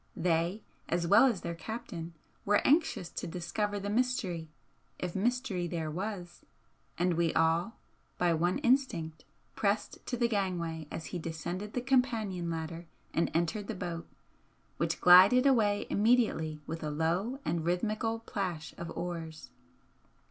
They, as well as their captain, were anxious to discover the mystery, if mystery there was, and we all, by one instinct, pressed to the gangway as he descended the companion ladder and entered the boat, which glided away immediately with a low and rhythmical plash of oars.